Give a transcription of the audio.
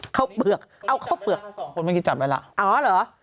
เข้าเปลือกเอ้าเข้าเปลือกสองคนเมื่อกี้จับได้แล้วอ๋อเหรอ